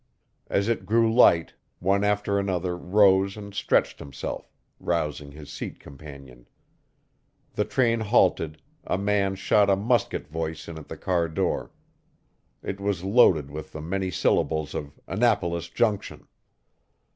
As it grew light, one after another rose and stretched himself, rousing his seat companion. The train halted, a man shot a musket voice in at the car door. It was loaded with the many syllables of 'Annapolis Junction'.